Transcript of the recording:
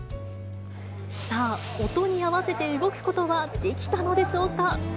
さあ、音に合わせて動くことはできたのでしょうか。